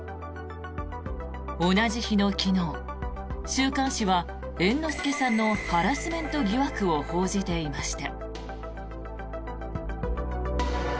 同じ日の昨日、週刊誌は猿之助さんのハラスメント疑惑を報じていました。